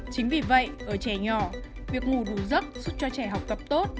chính vì vậy ở trẻ nhỏ việc ngủ đủ giấc giúp cho trẻ học tập tốt